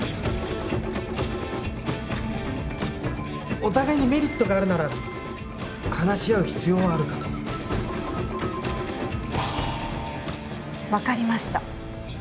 お互いにメリットがあるなら話し合う必要はあるかと分かりました